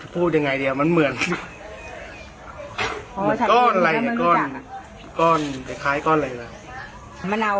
จะพูดยังไงครับ